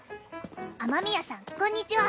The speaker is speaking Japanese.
雨宮さんこんにちは。